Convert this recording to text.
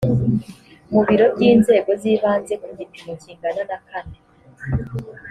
mu biro by inzego z ibanze ku gipimo kingana na kane